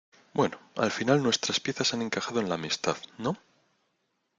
bueno, al final nuestras piezas han encajado en la amistad ,¿ no?